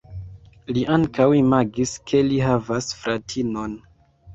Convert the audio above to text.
Li ankaŭ imagis ke li havas fratinon.